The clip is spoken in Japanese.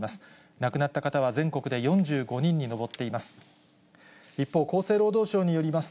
亡くなった方は全国で４５人に上っています。